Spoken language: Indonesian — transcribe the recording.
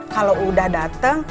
kalau udah dateng